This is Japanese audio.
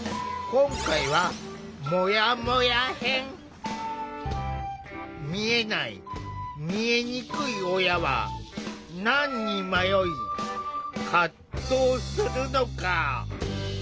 今回は見えない見えにくい親は何に迷い葛藤するのか。